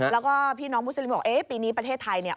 แล้วก็พี่น้องมุสลิมบอกเอ๊ะปีนี้ประเทศไทยเนี่ย